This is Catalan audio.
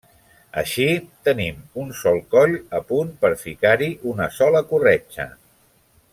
Així, tenim un sol coll a punt per ficar-hi una sola corretja.